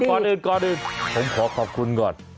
ก่อนอื่นผมขอขอบคุณก่อน